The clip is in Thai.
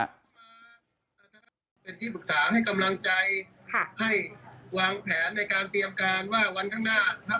ทนายเดชาบอกว่าจะเป็นการเอาคืนยังไง